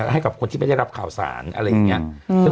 ให้กับคนที่ไม่ได้รับข่าวสารอะไรอย่างนี้